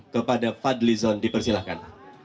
kepada fadlison dipersilahkan